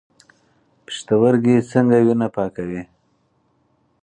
پښتورګي څنګه وینه پاکوي؟